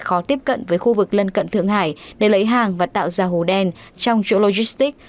khó tiếp cận với khu vực lân cận thượng hải để lấy hàng và tạo ra hồ đen trong chỗ logistic